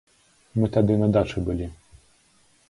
Мы тады на дачы былі.